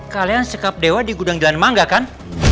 kalian sekap dewa di gudang jalan mangga kan